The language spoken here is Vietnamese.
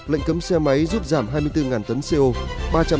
lệnh cấm xe máy giúp giảm hai mươi bốn tấn co